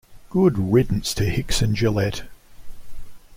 Good riddance to Hicks and Gillett.